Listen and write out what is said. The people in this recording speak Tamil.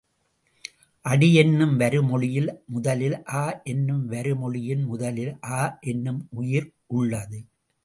அடி என்னும் வருமொழியின் முதலில் அ என்னும் வரு மொழியின் முதலில் அ என்னும் உயிர் உள்ளது.